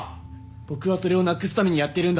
僕はそれをなくすためにやってるんだ。